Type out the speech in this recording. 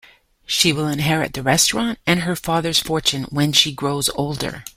She will inherit the restaurant and her father's fortune when she grows older.